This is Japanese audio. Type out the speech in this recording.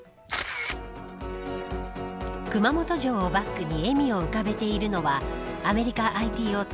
熊本城はバックに笑みを浮かべているのはアメリカＩＴ大手